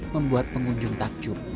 membuat pengunjung takjub